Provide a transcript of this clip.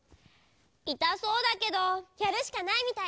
いたそうだけどやるしかないみたいね。